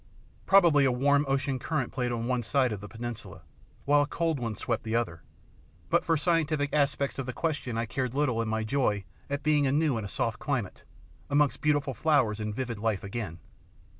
Probably a warm ocean current played on one side of the peninsula, while a cold one swept the other, but for scientific aspects of the question I cared little in my joy at being anew in a soft climate, amongst beautiful flowers and vivid life again.